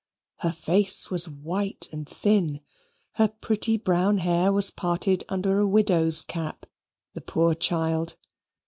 Her face was white and thin. Her pretty brown hair was parted under a widow's cap the poor child.